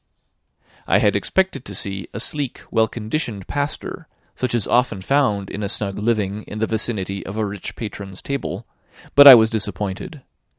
I had expected to see a sleek, well conditioned pastor, such as is often found in a snug living in the vicinity of a rich patron's table; but I was disappointed.